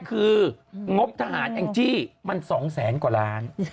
คืองบทหารอย่างที่มัน๒๐๐๐๐๐กว่าร้าน